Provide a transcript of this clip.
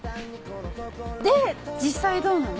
で実際どうなの？